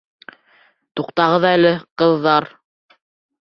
Туҡтағыҙ әле, ҡыҙҙар!